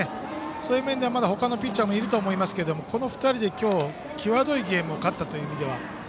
そういう面ではまだ他のピッチャーもいると思いますが、この２人で今日の際どいゲームを勝ったという意味では。